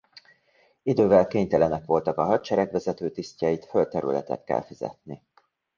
Idővel kénytelenek voltak a hadsereg vezető tisztjeit földterületekkel fizetni.